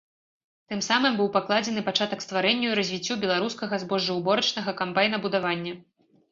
Тым самым быў пакладзены пачатак стварэнню і развіццю беларускага збожжаўборачнага камбайнабудавання.